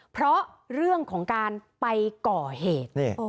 เพราะเรื่องของการไปก่อเหตุ